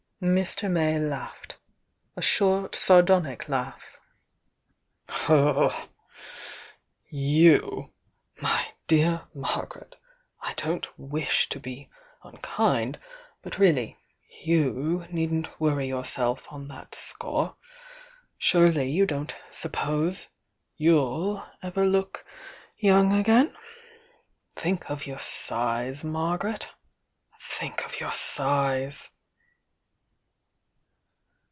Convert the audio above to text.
IVfr. May laughed— a short, sardonic laugh. Jou! My dear Margaret, I don't wish to be unkind, but really you needn't worry yourself on that score! Surely you don't suppose you'll ever look young agam? Think of your size, Margaret! —think of your size!"